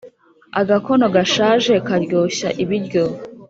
Agakono gashaje karyoshya ibiryo